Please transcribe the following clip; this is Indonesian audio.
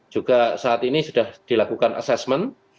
juga saat ini sudah dilakukan assessment